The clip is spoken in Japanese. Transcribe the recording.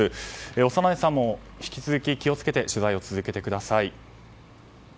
小山内さんも引き続き気を付けて取材を続けてください。